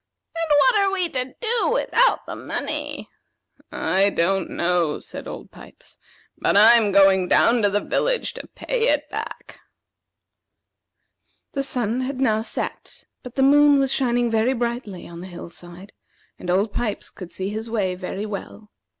And what are we to do without the money?" "I don't know," said Old Pipes; "but I'm going down to the village to pay it back." The sun had now set; but the moon was shining very brightly on the hill side, and Old Pipes could see his way very well.